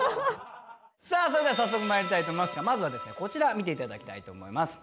さあそれでは早速まいりたいと思いますがまずはですねこちら見て頂きたいと思います。